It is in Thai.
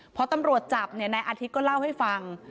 พอตำรวจจับนายอาทิตย์ก็เล่าให้ฟัง